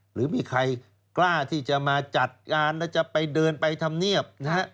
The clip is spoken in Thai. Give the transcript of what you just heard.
หรือมีใครกล้าที่จะมาจัดงานแล้วจะไปเดินไปทำเนียบนะฮะ